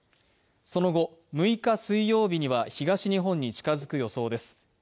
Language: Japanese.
その後、６日水曜日には東日本に近づく予想です。